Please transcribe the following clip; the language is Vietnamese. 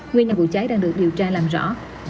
nguyên nhân vụ cháy đang được điều tra làm rõ